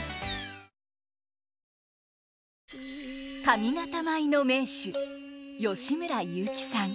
上方舞の名手吉村雄輝さん。